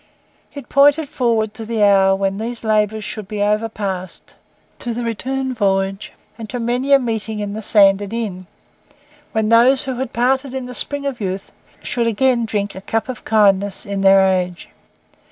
It pointed forward to the hour when these labours should be overpast, to the return voyage, and to many a meeting in the sanded inn, when those who had parted in the spring of youth should again drink a cup of kindness in their age.